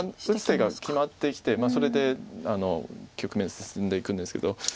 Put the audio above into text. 打つ手が決まってきてそれで局面進んでいくんですけど。